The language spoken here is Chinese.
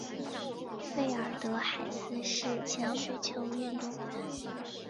费尔德海斯是前水球运动员。